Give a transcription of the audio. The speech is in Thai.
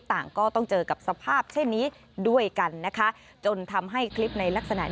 ต่างก็ต้องเจอกับสภาพเช่นนี้ด้วยกันนะคะ